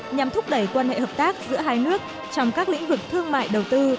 nhằm thúc đẩy quan hệ hợp tác giữa hai nước trong các lĩnh vực thương mại đầu tư